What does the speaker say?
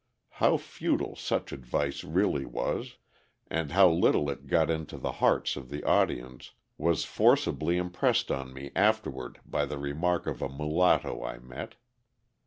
How futile such advice really was, and how little it got into the hearts of the audience, was forcibly impressed on me afterward by the remark of a mulatto I met.